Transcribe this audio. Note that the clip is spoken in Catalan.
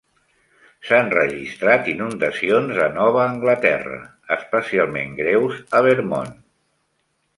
S'han registrat inundacions a Nova Anglaterra, especialment greus a Vermont.